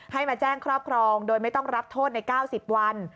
ให้มาแจ้งครอบครองโดยไม่ต้องรับโทษใน๙๐วัน